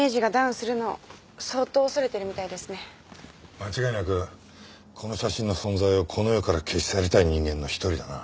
間違いなくこの写真の存在をこの世から消し去りたい人間の一人だな。